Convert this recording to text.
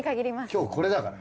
今日これだから。